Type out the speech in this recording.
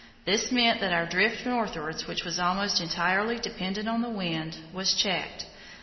This meant that our drift northwards, which was almost entirely dependent on the wind, was checked.